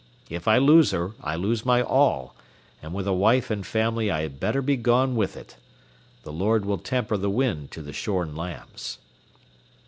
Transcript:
If I lose her, I lose my all, and with a wife and family I had better be gone with it. The Lord will temper the wind to the shorn lambs."